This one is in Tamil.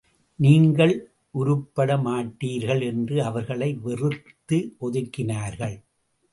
நீங்கள் உருப்பட மாட்டீர்கள் என்று அவர்களை வெறுத்து ஒதுக்கினார்கள்.